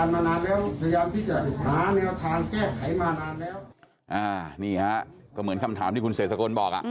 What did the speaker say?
อ๋อไม่เหมือนคำถามที่คุณเสกสกลบอก